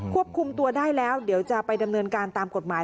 ควบคุมตัวได้แล้วเดี๋ยวจะไปดำเนินการตามกฎหมาย